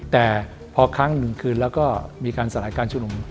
แต่พอครั้งหนึ่งคืนแล้วก็มีการสลายการชุมนุม